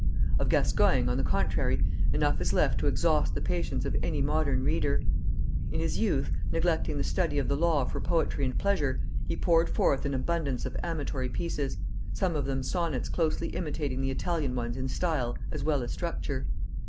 Of Gascoigne, on the contrary, enough is left to exhaust the patience of any modern reader. In his youth, neglecting the study of the law for poetry and pleasure, he poured forth an abundance of amatory pieces; some of them sonnets closely imitating the Italian ones in style as well as structure.